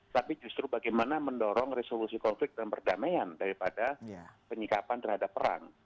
tapi justru bagaimana mendorong resolusi konflik dan perdamaian daripada penyikapan terhadap perang